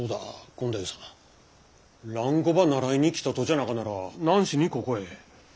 権太夫さん蘭語ば習いに来たとじゃなかなら何しにここへ。